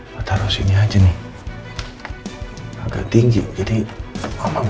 biar saya lihat ya